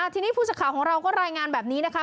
ทีนี้ผู้สื่อข่าวของเราก็รายงานแบบนี้นะคะ